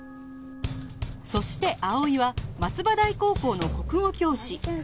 そして葵は松葉台高校の国語教師